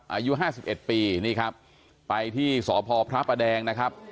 อายุ๕๑ปีนี่ครับไปที่สพพระประแดงนะครับ